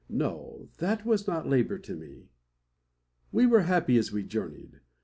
No; that was not labour to me. We were happy as we journeyed.